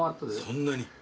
そんなに？